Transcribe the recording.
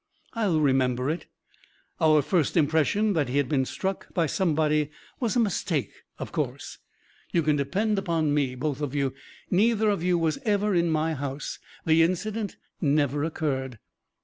"I'll remember it. Our first impression that he had been struck by somebody was a mistake, of course. You can depend upon me, both of you. Neither of you was ever in my house. The incident never occurred."